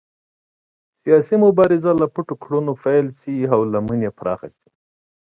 سیاسي مبارزې له پټو کړنو پیل شوې او لمن یې پراخه شوه.